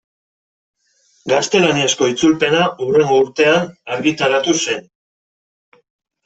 Gaztelaniazko itzulpena hurrengo urtean argitaratu zen.